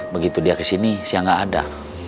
begitu dia kesini siang gak ada